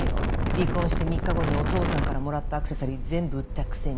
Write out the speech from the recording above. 離婚して３日後にお父さんからもらったアクセサリー全部売ったくせに。